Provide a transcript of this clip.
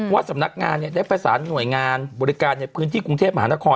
ว่าสำนักงานได้ประสานหน่วยงานบริการในพื้นที่กรุงเทพมหานคร